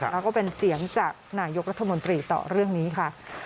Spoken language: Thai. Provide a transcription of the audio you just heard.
แล้วก็เป็นเสียงจากนายกรัฐมนตรีต่อเรื่องนี้ค่ะ